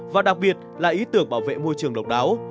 và đặc biệt là ý tưởng bảo vệ môi trường độc đáo